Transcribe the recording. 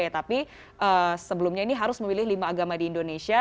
tapi sebelumnya ini harus memilih lima agama di indonesia